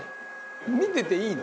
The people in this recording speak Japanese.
「見てていいの？」